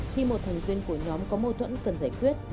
khi một thành viên của nhóm có mâu thuẫn cần giải quyết